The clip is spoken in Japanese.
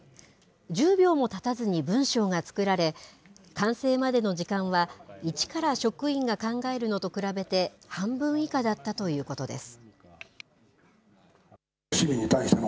１０秒もたたずに文章が作られ、完成までの時間は、いちから職員が考えるのと比べて、半分以下だったということです。